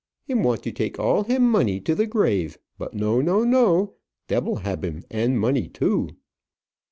Him want to take all him money to the grave; but no, no, no! Devil hab him, and money too!"